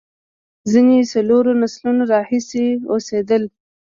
ځینې د څلورو نسلونو راهیسې اوسېدل.